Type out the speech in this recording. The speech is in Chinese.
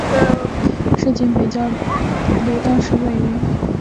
摄津北交流道是位于大阪府摄津市的近畿自动车道之交流道。